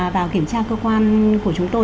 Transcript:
vào kiểm tra cơ quan của chúng tôi